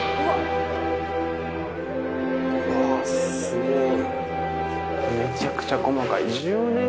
「うわあすごい」